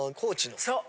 そう！